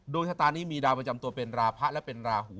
ชะตานี้มีดาวประจำตัวเป็นราพะและเป็นราหู